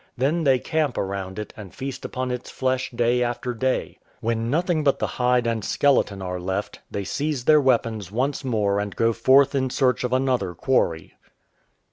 Then they camp around it and feast upon its flesh day after day. When nothing but the hide and i8o THE ITURl RIVER skeleton are left, they seize their weapons once more and go forth in search of another quarry.